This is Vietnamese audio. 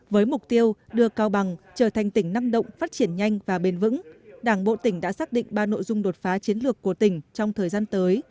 với mục tiêu đưa cao bằng trở thành tỉnh năng động phát triển nhanh và bền vững đảng bộ tỉnh đã xác định ba nội dung đột phá chiến lược của tỉnh trong thời gian tới